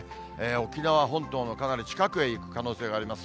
沖縄本島のかなり近くへ行く可能性があります。